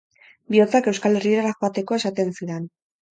Bihotzak Euskal Herrira joateko esaten zidan.